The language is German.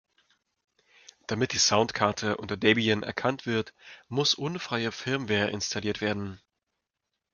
Damit die Soundkarte unter Debian erkannt wird, muss unfreie Firmware installiert werden.